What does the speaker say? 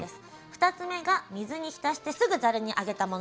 ２つ目が水に浸してすぐざるにあげたもの。